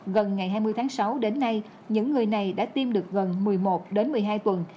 gần ngày hai mươi tháng sáu đến nay những người này đã tiêm được gần một mươi một đến một mươi hai tuần